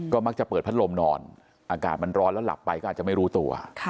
มักจะเปิดพัดลมนอนอากาศมันร้อนแล้วหลับไปก็อาจจะไม่รู้ตัว